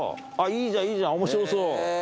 いいじゃんいいじゃん面白そう。